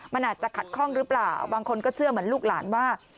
มันอาจจะขัดข้องหรือเปล่าบางคนก็เชื่อเหมือนลูกหลานว่า